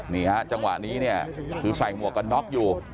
นี่ฮะจังหวะนี้เนี่ยคือใส่หมวกกันน็อกอยู่